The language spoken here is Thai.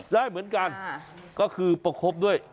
ได้เหมือนกันก็คือประคบด้วย